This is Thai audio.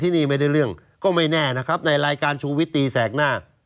นี่ไม่ได้เรื่องก็ไม่แน่นะครับในรายการชูวิตตีแสกหน้า